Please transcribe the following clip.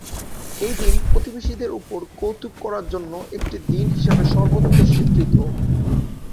এই দিন প্রতিবেশীদের উপর কৌতুক করার জন্য একটি দিন হিসাবে সর্বত্র স্বীকৃত।